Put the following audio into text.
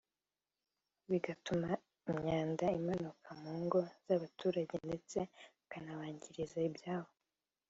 bigatuma imyanda imanuka mu ngo z’abaturage ndetse akanabangiriza ibyabo